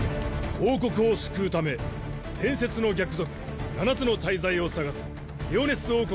王国を救うため伝説の逆賊七つの大罪を捜すリオネス王国